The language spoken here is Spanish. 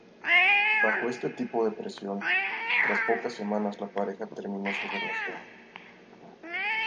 Bajo este tipo de presión, tras pocas semanas la pareja terminó su relación.